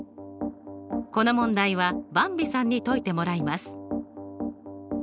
この問題はばんびさんに解いてもらいます。